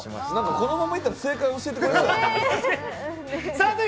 このままいったら正解教えてくれそう。